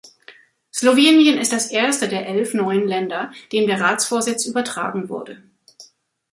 Slowenien ist das erste der elf neuen Länder, dem der Ratsvorsitz übertragen wurde.